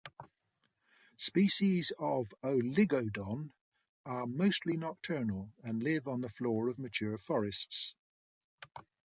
Species of "Oligodon" are mostly nocturnal, and live on the floor of mature forests.